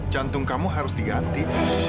jantung kamu harus diganti